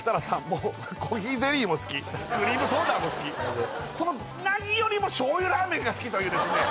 もうコーヒーゼリーも好きクリームソーダも好きその何よりも醤油ラーメンが好きというですね